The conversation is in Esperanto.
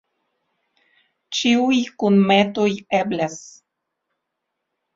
Ĉiuj kunmetoj eblas.